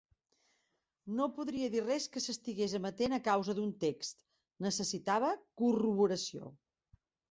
No podria dir res que s'estigués emetent a causa d'un text; necessitava corroboració.